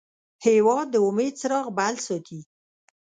هېواد د امید څراغ بل ساتي.